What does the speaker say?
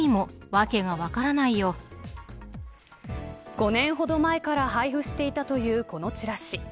５年ほど前から配布していたというこのチラシ。